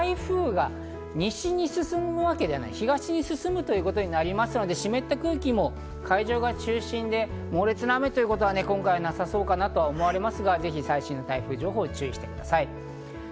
ただ台風が西に進むわけじゃなく東に進むということになりますので、湿った空気も海上が中心で猛烈な雨ということは今回なさそうかなと思われますが、最新の台風情報に注意してください。